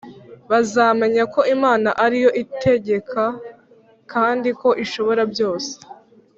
bazamenya ko Imana ari yo itegeka kandi ko ishobora byose